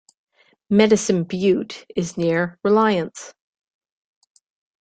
Medicine Butte is near Reliance.